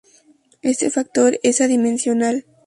Este factor es adimensional.